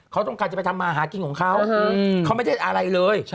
เขาต้องการจะไปทำมาหากินของเขาเขาไม่ได้อะไรเลย